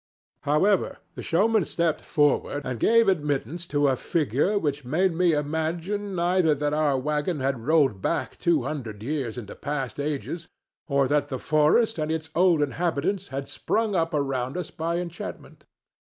However, the showman stepped forward and gave admittance to a figure which made me imagine either that our wagon had rolled back two hundred years into past ages or that the forest and its old inhabitants had sprung up around us by enchantment.